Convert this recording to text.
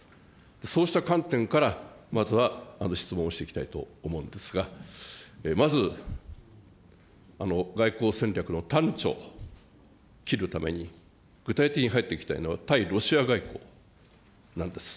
そうした観点からまずは質問をしていきたいと思うんですが、まず外交戦略の端緒を切るために、具体的に入っていきたいのは、対ロシア外交なんです。